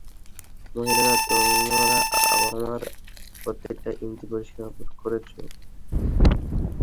মহিলারা, তোমরা আমার প্রত্যেকটা ইঞ্চি পরিষ্কার করেছ।